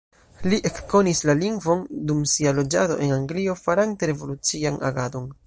Li ekkonis la lingvon dum sia loĝado en Anglio farante revolucian agadon.